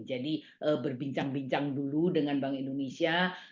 jadi berbincang bincang dulu dengan bank indonesia